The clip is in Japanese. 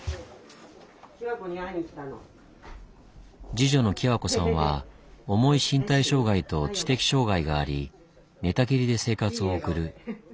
次女の希和子さんは重い身体障害と知的障害があり寝たきりで生活を送る。